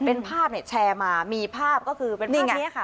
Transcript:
เป็นภาพแชร์มามีภาพก็คือเป็นภาพนี้ค่ะ